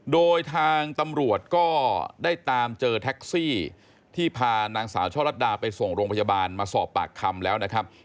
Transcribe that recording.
โดยทางตำรวจก็ได้ตามเจอแท็กซี่ที่พานางสาวช่อลัดดาไปส่งโรงพยาบาลมาสอบปากคำแล้วนะครับ